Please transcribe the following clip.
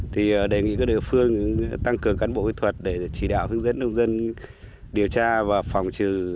thì đề nghị các địa phương tăng cường cán bộ kỹ thuật để chỉ đạo hướng dẫn nông dân điều tra và phòng trừ